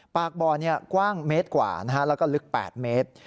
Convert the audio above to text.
ปากบ่อกว้างเมตรกว่าแล้วก็ลึก๘เมตร